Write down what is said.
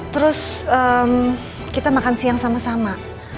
terus kita makan siang sama sama